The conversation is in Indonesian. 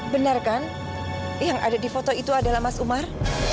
benar kan yang ada di foto itu adalah mas umar